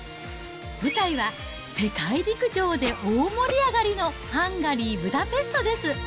舞台は、世界陸上で大盛り上がりのハンガリー・ブダペストです。